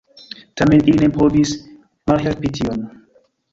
Tamen ili ne povis malhelpi tion.